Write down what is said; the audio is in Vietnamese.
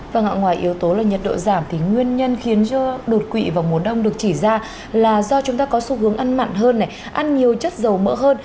và ngoài yếu tố là nhật độ giảm thì nguyên nhân khiến đột quỵ vào mùa đông được chỉ ra là do chúng ta có xu hướng ăn mặn hơn ăn nhiều chất dầu mỡ hơn